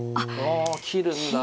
ああ切るんだ。